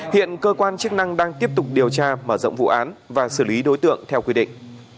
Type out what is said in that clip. hiện cơ quan chức năng đang tiếp tục điều tra mở rộng vụ án và xử lý đối tượng theo quy định